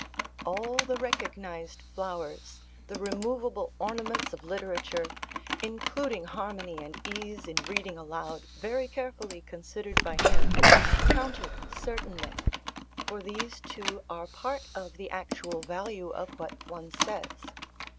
All, the recognised flowers, the removable ornaments of literature (including harmony and ease in reading aloud, very carefully considered by him) counted, certainly; for these too are part of the actual value of what one says.